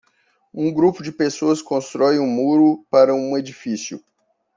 Um grupo de pessoas constrói um muro para um edifício